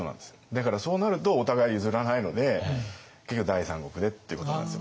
だからそうなるとお互い譲らないので結局第三国でっていうことになるんですよ。